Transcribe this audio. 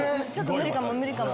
無理かも無理かも。